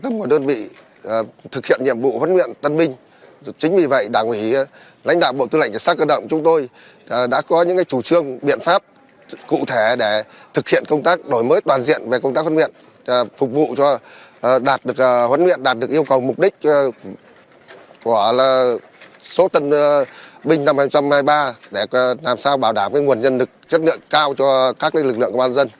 tân binh năm hai nghìn hai mươi ba để làm sao bảo đảm nguồn nhân lực chất lượng cao cho các lực lượng công an nhân dân